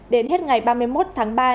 đến hết ngày ba mươi một tháng ba năm